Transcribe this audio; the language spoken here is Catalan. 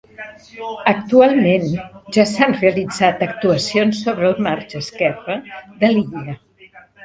Actualment ja s’han realitzat actuacions sobre el marge esquerre de l’illa.